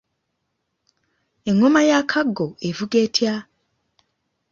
Engoma ya Kaggo evuga etya?